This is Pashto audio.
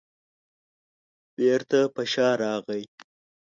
بېرته په شا راغی.